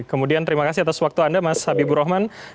kemudian terima kasih atas waktu anda mas habibur rahman